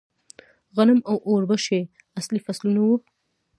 غنم او وربشې اصلي فصلونه وو